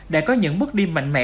đã có những bước đi mạnh mẽ